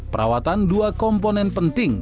perawatan dua komponen penting